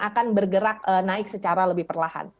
akan bergerak naik secara lebih perlahan